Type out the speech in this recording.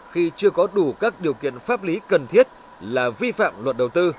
khi chưa có đủ các điều kiện pháp lý cần thiết là vi phạm luật đầu tư